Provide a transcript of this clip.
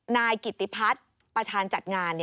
นายกิติพัฒน์ประธานจัดงาน